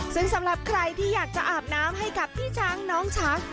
ซึ่งสำหรับใครที่อยากจะอาบน้ำให้กับพี่ช้างน้องช้าง